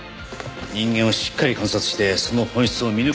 人間をしっかり観察してその本質を見抜く事ができる。